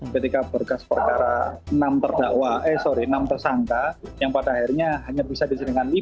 ketika berkas perkara enam tersangka yang pada akhirnya hanya bisa diseringkan lima